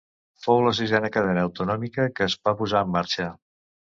Fou la sisena cadena autonòmica que es va posar en marxa.